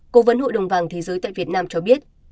cố vấn hội đồng vàng thế giới tại việt nam cho biết